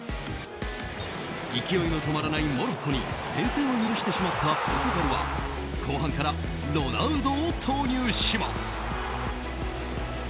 勢いの止まらないモロッコに先制を許してしまったポルトガルは後半からロナウドを投入します。